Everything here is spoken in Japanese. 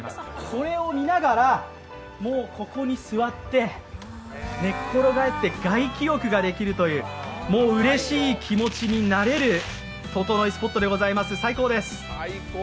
それを見ながら、ここに座って寝ころがって外気浴ができるというもううれしい気持ちになれる、ととのいスポットでございます、最高です。